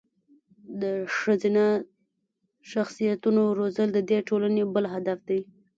د ښځینه شخصیتونو روزل د دې ټولنې بل هدف دی.